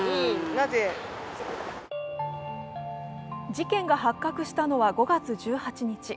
事件が発覚したのは５月１８日。